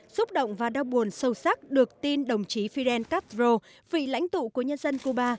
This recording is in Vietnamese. xúc động và đau buồn sâu sắc được tin đồng chí fidel castro vị lãnh tụ của nhân dân cuba